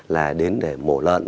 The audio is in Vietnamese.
là đến để mổ lợn